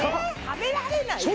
食べられないよ。